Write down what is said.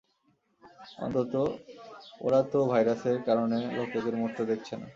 অন্তত ওরা তো ভাইরাসের কারণে লোকেদের মরতে দেখছে না।